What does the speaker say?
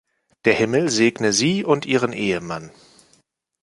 Der Himmel segne sie und ihren Ehemann!